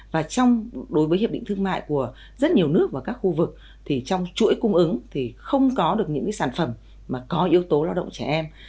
và đối với hiệp định thương mại của rất nhiều nước và các khu vực thì trong chuỗi cung ứng thì không có được những sản phẩm mà có yếu tố lao động trẻ em